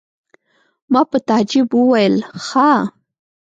ما په تعجب وویل: ښه!